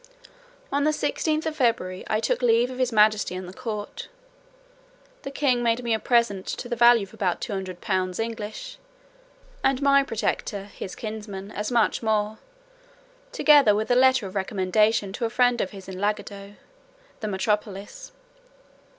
On the 16th day of February I took leave of his majesty and the court. The king made me a present to the value of about two hundred pounds English, and my protector, his kinsman, as much more, together with a letter of recommendation to a friend of his in Lagado, the metropolis.